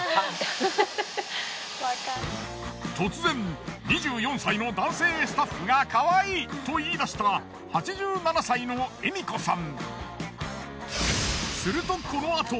突然２４歳の男性スタッフがかわいいと言い出した８７歳のエミ子さん。